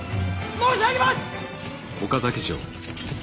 申し上げます。